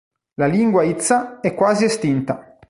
La lingua itza è quasi estinta.